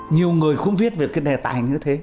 nhiều người không viết về cái đề tài như thế